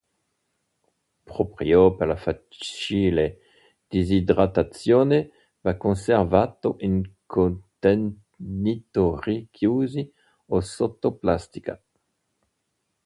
Proprio per la facile disidratazione va conservato in contenitori chiusi o sotto plastica.